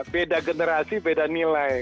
beda generasi beda nilai